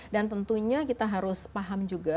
dan tentunya kita harus paham juga